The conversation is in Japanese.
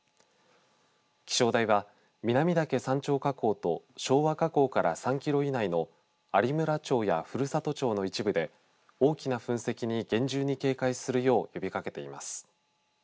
気象台は南岳山頂火口と昭和火口から３キロ以内の有村町や古里町の一部で大きな噴石に厳重に警戒するよう呼びかけています。